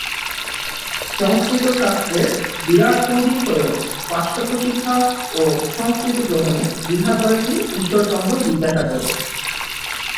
সংস্কৃত শাস্ত্রের বিরাট পণ্ডিত হয়েও পাশ্চাত্য শিক্ষা ও সংস্কৃতি গ্রহণে দ্বিধা করেননি ঈশ্বরচন্দ্র বিদ্যাসাগর।